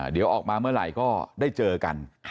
เดี๋ยวออกมาเมื่อไหร่ก็ได้เจอกัน